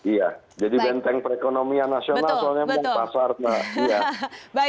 iya jadi benteng perekonomian nasional soalnya pasarnya